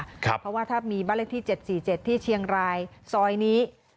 เพราะว่าถ้ามีบ้านเลขที่๗๔๗ที่เชียงรายซอยนี้